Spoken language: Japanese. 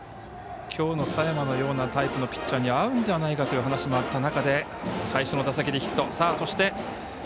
きょうの佐山のようなタイプのピッチャーに合うのではないかという話があった中で最初の打席でヒット。